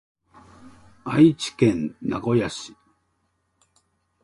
愛知県名古屋市